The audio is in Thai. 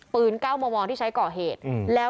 ปืนเก้ามมองที่ใช้ก่อเหตุ